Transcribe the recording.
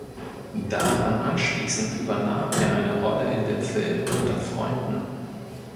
Daran anschließend übernahm er eine Rolle in dem Film "Unter Freunden".